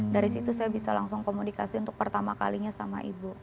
dari situ saya bisa langsung komunikasi untuk pertama kalinya sama ibu